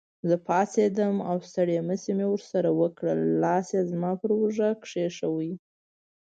زه پاڅېدم او ستړي مشي مې ورسره وکړل، لاس یې زما پر اوږه کېښود.